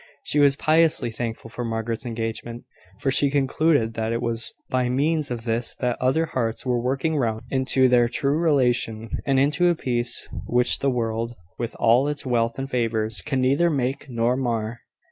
She was piously thankful for Margaret's engagement; for she concluded that it was by means of this that other hearts were working round into their true relation, and into a peace which the world, with all its wealth and favours, can neither make nor mar.